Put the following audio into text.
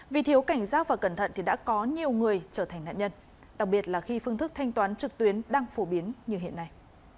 vì thiếu cảnh giác và cẩn thận thì đã có nhiều người trở thành nạn nhân đặc biệt là khi phương thức thanh toán trực tuyến đang phổ biến như hiện nay